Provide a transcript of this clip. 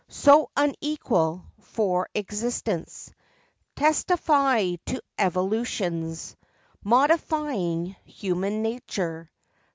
19 So unequal—for existence, Testify to evolutions Modifying human nature.